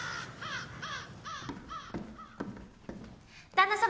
旦那様